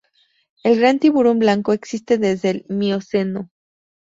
El "gran tiburón blanco" existe desde el Mioceno.